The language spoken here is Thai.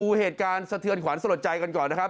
อู๋เหตุการณ์สะเทือนขวานสะหรับใจกันก่อนนะครับ